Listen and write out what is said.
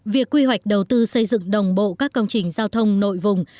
việc quy hoạch đầu tư xây dựng đồng bộ các công trình giao thông nội vùng